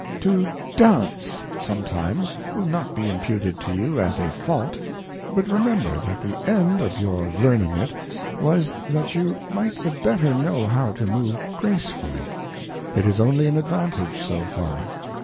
To Dance sometimes will not be imputed to you as a fault ; vbut remember that the end of your Learning it, was, that you might the better know how to move gracefully . It is only an advantage so far.